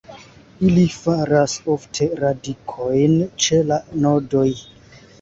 Ili faras ofte radikojn ĉe la nodoj.